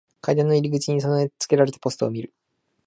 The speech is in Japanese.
階段の入り口に備え付けられたポストを見る。